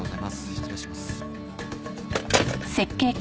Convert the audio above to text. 失礼します。